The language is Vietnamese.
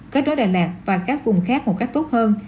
kết nối đà lạt và các vùng khác một cách tốt hơn